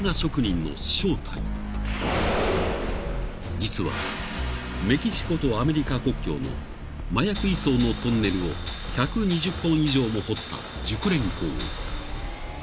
［実はメキシコとアメリカ国境の麻薬移送のトンネルを１２０本以上も掘った熟練工］